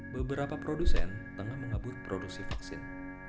beberapa produsen tengah mengabut produksi vaksin